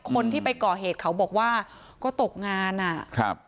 คนที่ไปก่อเหตุเขาบอกว่าก็ตกงานอ่ะครับ